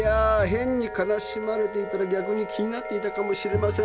変に悲しまれていたら逆に気になっていたかもしれません。